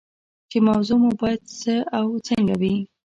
چې موضوع مو باید څه او څنګه وي.